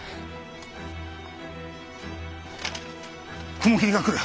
雲霧が来る。